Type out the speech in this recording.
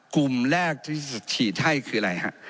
กลุ่มแรกที่จะฉีดให้คืออะไรฮะ